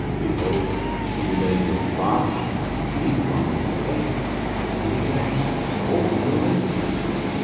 Behold, in the day of your fast ye find pleasure, and exact all your labours.